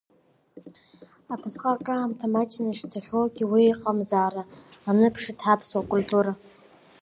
Абысҟак аамҭа маҷны ишцахьоугьы, уи иҟамзаара аныԥшит ҳаԥсуа культура.